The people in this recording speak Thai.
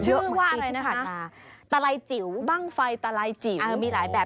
ชื่อว่าอะไรนะคะตลายจิ๋วบ้างไฟตลายจิ๋วอ่ามีหลายแบบ